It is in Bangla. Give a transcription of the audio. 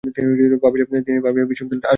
তিনি পাভিয়া বিশ্ববিদ্যালয়ে চলে যান।